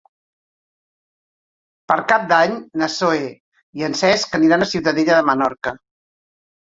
Per Cap d'Any na Zoè i en Cesc aniran a Ciutadella de Menorca.